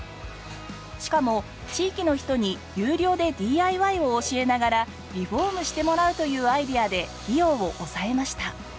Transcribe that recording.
しかも地域の人に有料でＤＩＹを教えながらリフォームしてもらうというアイデアで費用を抑えました。